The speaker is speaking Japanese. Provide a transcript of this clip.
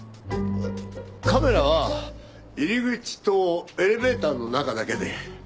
カメラは入り口とエレベーターの中だけで。